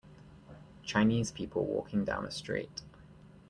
Chinese people walking down a street.